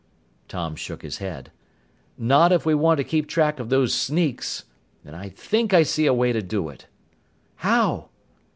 Tom shook his head. "Not if we want to keep track of those sneaks. And I think I see a way to do it." "How?"